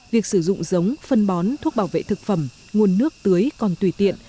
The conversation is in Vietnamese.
việc sử dụng giống phân bón thuốc bảo vệ thực phẩm nguồn nước tưới còn tùy tiện